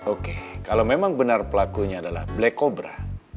oke kalau memang benar pelakunya adalah black cobra